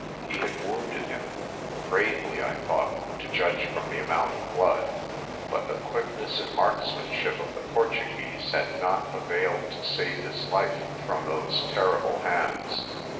He had wounded him gravely, I thought, to judge from the amount of blood but the quickness and markmanship of the Portuguese had not availed to save his life from those terrible hands.